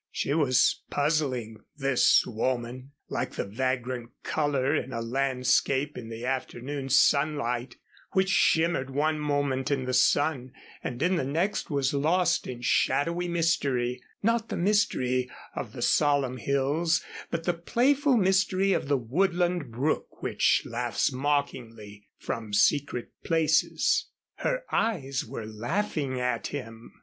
She was puzzling this woman like the vagrant color in a landscape in the afternoon sunlight, which shimmered one moment in the sun and in the next was lost in shadowy mystery not the mystery of the solemn hills, but the playful mystery of the woodland brook which laughs mockingly from secret places. Her eyes were laughing at him.